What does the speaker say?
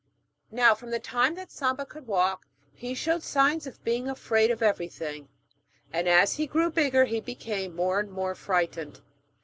Now, from the time that Samba could walk he showed signs of being afraid of everything, and as he grew bigger he became more and more frightened.